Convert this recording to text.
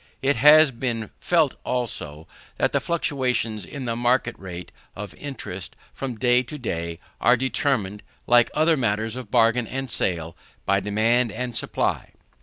It has been felt, also, that the fluctuations in the market rate of interest from day to day, are determined, like other matters of bargain and sale, by demand and supply.